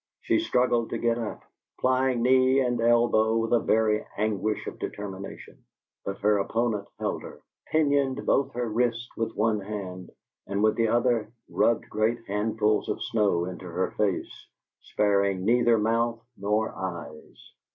She struggled to get up, plying knee and elbow with a very anguish of determination; but her opponent held her, pinioned both her wrists with one hand, and with the other rubbed great handfuls of snow into her face, sparing neither mouth nor eyes.